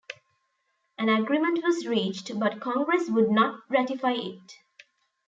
An agreement was reached, but Congress would not ratify it.